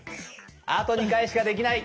あと２回しかできない！